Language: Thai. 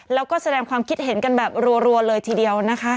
แล้วก็แสดงความคิดเห็นกันแบบรัวเลยทีเดียวนะคะ